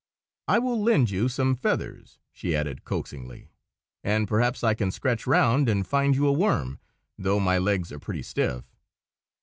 I will lend you some feathers," she added, coaxingly, "and perhaps I can scratch round and find you a worm, though my legs are pretty stiff.